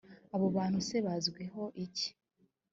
abo bantu se bazwiho iki?